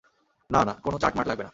না না, কোনো চার্ট-মার্ট লাগবে না।